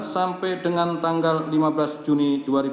sampai dengan lima belas juni dua ribu enam belas